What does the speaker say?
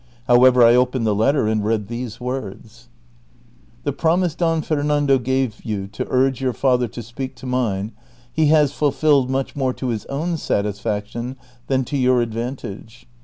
However, I opened the letter and read these words :" The promise Don Fernando gave you to urge your father to speak to mine, he has fulfilled much more to his own satisfaction than to your advantage.